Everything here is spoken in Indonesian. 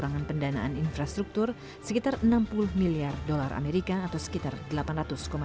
jangan tinggalkannya untuk perempuan